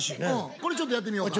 これちょっとやってみようか。